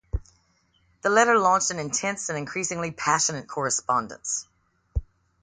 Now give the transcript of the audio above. The letter launched an intense and increasingly passionate correspondence.